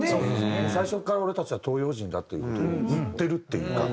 最初から俺たちは東洋人だっていう事を言ってるっていうか。